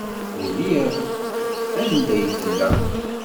Ufiɣ-d anda ay tella.